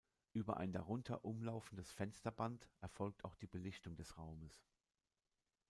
Über ein darunter umlaufendes Fensterband erfolgt auch die Belichtung des Raumes.